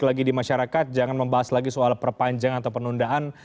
lagi di masyarakat jangan membahas lagi soal perpanjangan atau penundaan